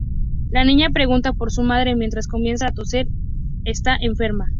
La niña pregunta por su madre, mientras comienza a toser; está enferma.